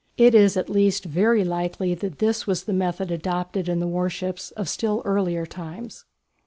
It is at least very likely that this was the method adopted in the warships of still earlier times.